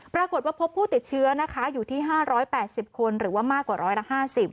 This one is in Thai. ปรากฏว่าพบผู้ติดเชื้อนะคะอยู่ที่๕๘๐คนหรือว่ามากกว่าร้อยละ๕๐